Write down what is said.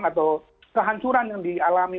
atau kehancuran yang dialami